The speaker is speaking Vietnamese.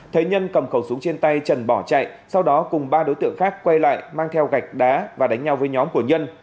thế nhân cầm khẩu súng trên tay trần bỏ chạy sau đó cùng ba đối tượng khác quay lại mang theo gạch đá và đánh nhau với nhóm của nhân